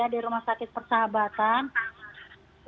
di rumah sakit persahabatan